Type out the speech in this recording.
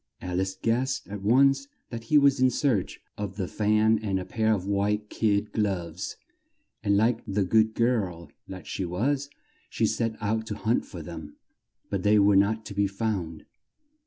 Al ice guessed at once that he was in search of the fan and the pair of white kid gloves, and like the good girl that she was, she set out to hunt for them, but they were not to be found.